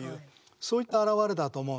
そういった表れだと思うんで。